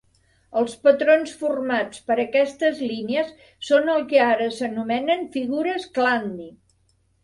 Els patrons formats per aquestes línies són el que ara s'anomenen "figures Chladni".